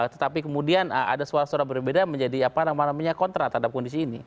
tetapi kemudian ada suara suara berbeda menjadi kontra terhadap kondisi ini